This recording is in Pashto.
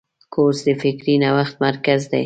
کورس د فکري نوښت مرکز دی.